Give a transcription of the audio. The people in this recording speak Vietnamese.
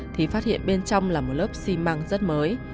thì phát hiện bên trong là một lớp xi măng rất mới